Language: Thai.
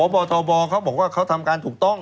บทบเขาบอกว่าเขาทำการถูกต้อง